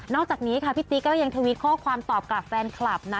อกจากนี้ค่ะพี่ติ๊กก็ยังทวิตข้อความตอบกลับแฟนคลับนะ